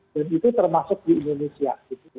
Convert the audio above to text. dan itu termasuk di indonesia